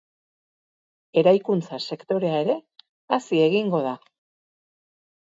Eraikuntza sektorea ere hazi egingo da.